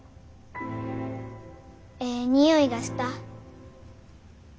えい匂いがした。